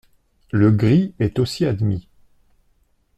Le gris est aussi admis.